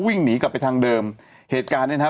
วิ่งหนีกลับไปทางเดิมเหตุการณ์เนี้ยนะฮะ